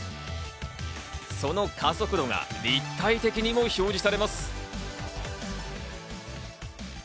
その加速度が立体的にも表示されます。